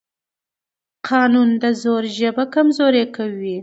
قانون د زور ژبه کمزورې کوي